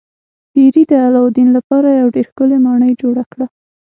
پیري د علاوالدین لپاره یوه ډیره ښکلې ماڼۍ جوړه کړه.